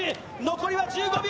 残りは１５秒。